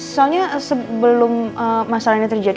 soalnya sebelum masalah ini terjadi